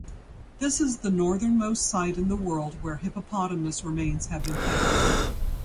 This is the northernmost site in the world where hippopotamus remains have been found.